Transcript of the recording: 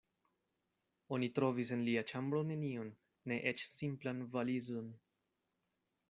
Oni trovis en lia ĉambro nenion, ne eĉ simplan valizon.